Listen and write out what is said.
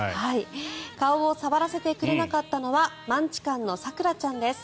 顔を触らせてくれなかったのはマンチカンのさくらちゃんです。